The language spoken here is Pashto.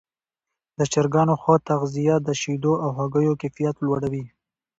د چرګانو ښه تغذیه د شیدو او هګیو کیفیت لوړوي.